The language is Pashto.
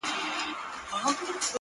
ورځم د خپل تور سوي زړه په تماشې وځم;